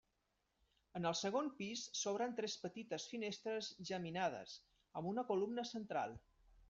En el segon pis s'obren tres petites finestres geminades, amb una columna central.